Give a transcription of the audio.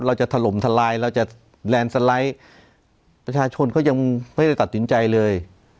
ถล่มทลายเราจะแลนด์สไลด์ประชาชนก็ยังไม่ได้ตัดสินใจเลย